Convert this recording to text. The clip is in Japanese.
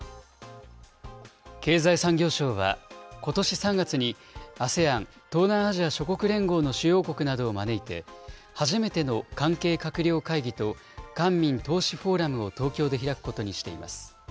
経済産業省はことし３月に、ＡＳＥＡＮ・東南アジア諸国連合の主要国などを招いて、初めての関係閣僚会議と、官民投資フォーラムを東京で開くことにしています。